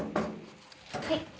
はい。